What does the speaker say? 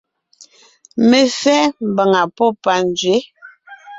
Mefɛ́ (mbàŋa pɔ́ panzwě ).